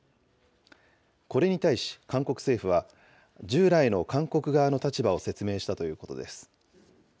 これに対し韓国政府は、従来の韓国側の立場を説明したということです。